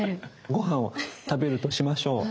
ご飯を食べるとしましょう。